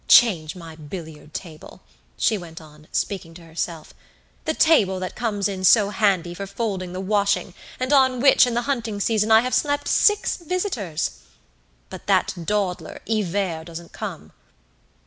Change my billiard table!" she went on, speaking to herself, "the table that comes in so handy for folding the washing, and on which, in the hunting season, I have slept six visitors! But that dawdler, Hivert, doesn't come!"